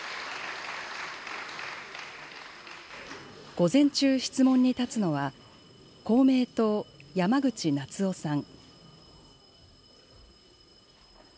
午前中、質問に立つのは、公明党、山口那津男さん。